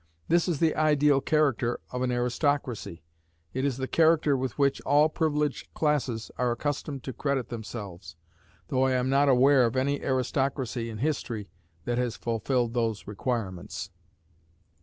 This is the ideal character of an aristocracy: it is the character with which all privileged classes are accustomed to credit themselves; though I am not aware of any aristocracy in history that has fulfilled those requirements."